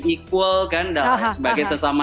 equal kan dalam sebagai sesama